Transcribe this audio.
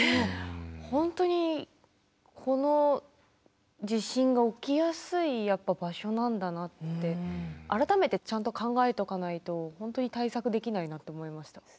本当にこの地震が起きやすいやっぱ場所なんだなって改めてちゃんと考えとかないと本当に対策できないなと思いました。